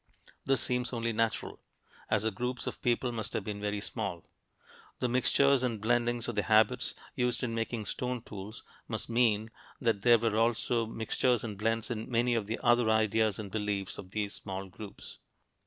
This seems only natural, as the groups of people must have been very small. The mixtures and blendings of the habits used in making stone tools must mean that there were also mixtures and blends in many of the other ideas and beliefs of these small groups.